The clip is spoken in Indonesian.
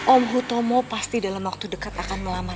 om hutomo pasti dalam waktu dekat akan melamar